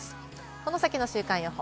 この先の週間予報。